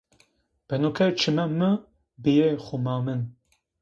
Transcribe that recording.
Beno ke çimê mi bîyê xumamin.